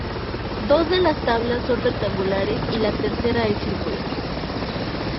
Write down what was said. Dos de las tablas son rectangulares y la tercera es circular.